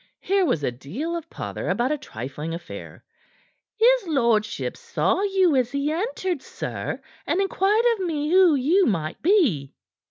Here was a deal of pother about a trifling affair. "His lordship saw you as he entered, sir, and inquired of me who you might be."